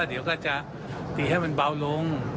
เดี๋ยวก็จะตีให้มันเบาลง